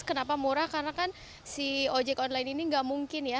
kenapa murah karena kan si ojek online ini nggak mungkin ya